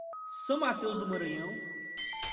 São Mateus do Maranhão